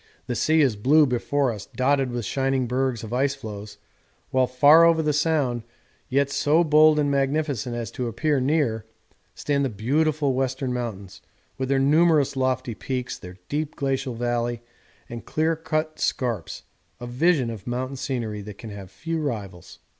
The sea is blue before us, dotted with shining bergs or ice floes, whilst far over the Sound, yet so bold and magnificent as to appear near, stand the beautiful Western Mountains with their numerous lofty peaks, their deep glacial valley and clear cut scarps, a vision of mountain scenery that can have few rivals.